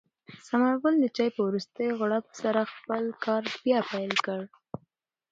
ثمر ګل د چای په وروستۍ غړپ سره خپل کار بیا پیل کړ.